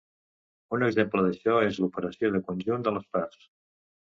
Un exemple d'això és l'operació de conjunt de les parts.